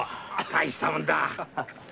大したもんだ。